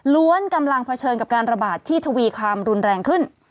กำลังเผชิญกับการระบาดที่ทวีความรุนแรงขึ้น